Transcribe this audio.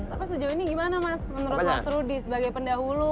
tapi sejauh ini gimana mas menurut mas rudy sebagai pendahulu